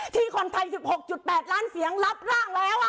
ที่คนไทย๑๖๘ล้านเสียงรับร่างแล้ว